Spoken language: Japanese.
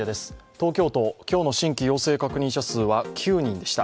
東京都、今日の新規陽性確認者数は９人でした。